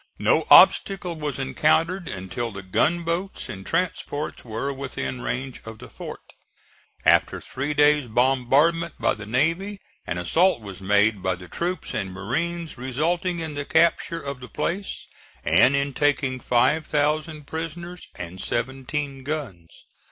No obstacle was encountered until the gunboats and transports were within range of the fort. After three days' bombardment by the navy an assault was made by the troops and marines, resulting in the capture of the place, and in taking 5,000 prisoners and 17 guns.